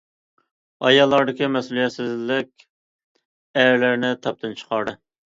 ئاياللاردىكى مەسئۇلىيەتسىزلىك ئەرلەرنى تاپتىن چىقاردى.